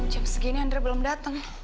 jam segini andre belum datang